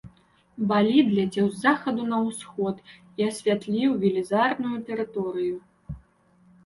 Балід ляцеў з захаду на ўсход і асвятліў велізарную тэрыторыю.